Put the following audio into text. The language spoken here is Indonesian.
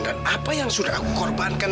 dan apa yang sudah aku korbankan